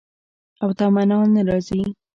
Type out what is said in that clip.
او تمنا نه راځي